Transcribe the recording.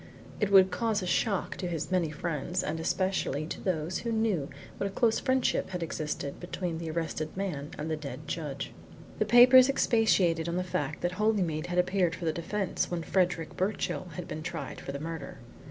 It would cause a shock to his many friends, and especially to those who knew what a close friendship had existed between the arrested man and the dead judge. The papers expatiated on the fact that Holymead had appeared for the defence when Frederick Birchill had been tried for the murder.